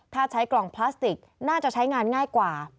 ถ้าใช้กล่องพลาสติกน่าจะใช้งานง่ายกว่า